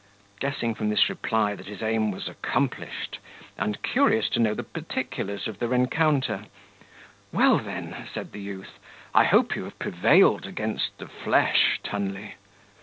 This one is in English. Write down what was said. Guessing from this reply, that his aim was accomplished, and curious to know the particulars of the rencounter, "Well, then," said the youth, "I hope you have prevailed against the flesh, Tunley."